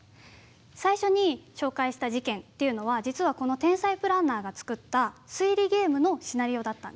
最初に紹介した事件というのは実はこの天才プランナーが作った推理ゲームのシナリオだったんです。